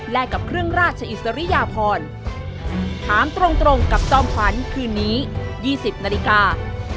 และกับเครื่องราชอิสริยพรถามตรงตรงกับจอมขวัญคืนนี้๒๐นาฬิกา